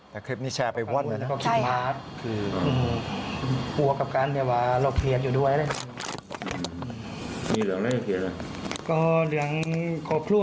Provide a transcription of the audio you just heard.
ในสมองคิดว่าอยากระบายอะไรกันนะครับ